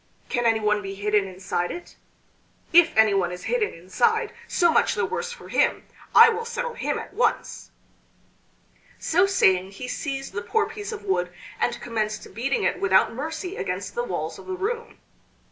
Can anyone be hidden inside it? If anyone is hidden inside, so much the worse for him. I will settle him at once." So saying he seized the poor piece of wood and commenced beating it without mercy against the walls of the room.